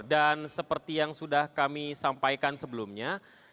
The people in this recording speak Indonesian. dan seperti yang sudah kami sampaikan sebelumnya